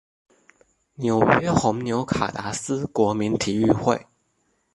纽约红牛卡达斯国民体育会